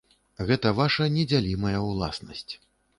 Гэта ваша недзялімая ўласнасць.